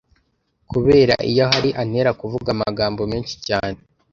kubera iyo ahari antera kuvuga amagambo menshi cyane